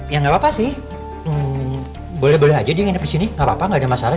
ya nggak apa apa sih boleh boleh aja dia nginep di sini nggak apa apa nggak ada masalah